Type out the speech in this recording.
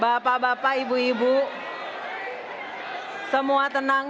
bapak bapak ibu ibu semua tenang